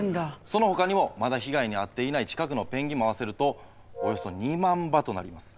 そのほかにもまだ被害に遭っていない近くのペンギンも合わせるとおよそ２万羽となります。